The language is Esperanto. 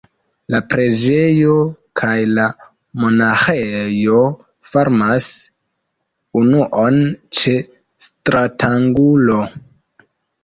La preĝejo kaj la monaĥejo formas unuon ĉe stratangulo.